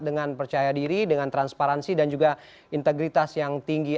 dengan percaya diri dengan transparansi dan juga integritas yang tinggi